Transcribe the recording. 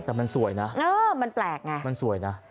แต่มันสวยนะมันสวยนะ